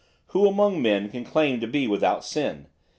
Who among men can claim to be without sin?